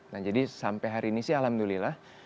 nah jadi sampai hari ini sih alhamdulillah